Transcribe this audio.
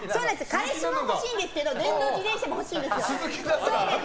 彼氏も欲しいんですけど電動自転車も欲しいです。